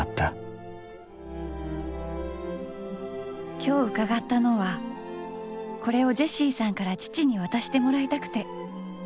今日うかがったのはこれをジェシィさんから父に渡してもらいたくて。